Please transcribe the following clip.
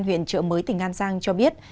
nguyễn trợ mới tỉnh an giang cho biết